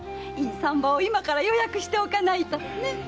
いい産婆を今から予約しておかないと。ね？